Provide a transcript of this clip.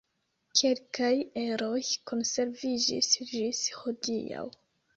Kelkaj eroj konserviĝis ĝis hodiaŭ.